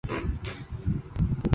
双方共举行了六次会谈。